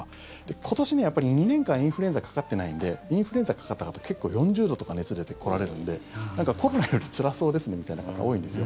今年やっぱり、２年間インフルエンザかかってないのでインフルエンザかかった方結構４０度とか熱出て来られるのでコロナよりつらそうですねみたいな方が多いんですよ。